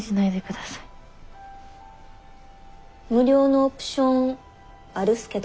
無料のオプションあるっすけど。